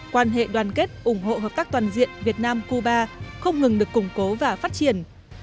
quan hệ đoàn kết ủng hộ hợp tác toàn diện việt nam cuba không ngừng được củng cố và phát triển